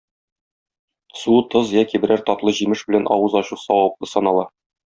Су, тоз яки берәр татлы җимеш белән авыз ачу саваплы санала.